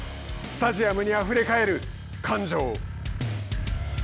スタジアムにあふれ返る感情。